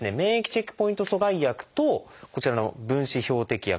チェックポイント阻害薬とこちらの分子標的薬